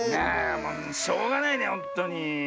しょうがないねほんとに。